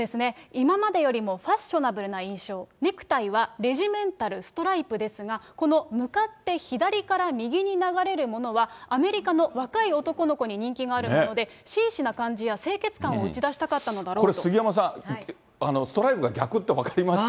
今までよりもファッショナブルな印象、ネクタイはレジメンタル・ストライプですが、この向かって左から右に流れるものは、アメリカの若い男の子に人気があるもので、真摯な感じや清潔感をこれ、杉山さん、ストライプが逆って分かりました？